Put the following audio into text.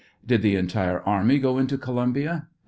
Did the entire army go into Columbia?